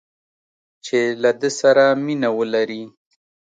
چې له ده سره مینه ولري